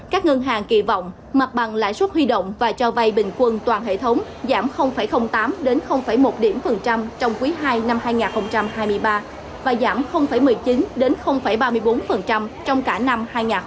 các ngân hàng kỳ vọng mặt bằng lãi suất huy động và cho vay bình quân toàn hệ thống giảm tám một điểm phần trăm trong quý ii năm hai nghìn hai mươi ba và giảm một mươi chín đến ba mươi bốn trong cả năm hai nghìn hai mươi ba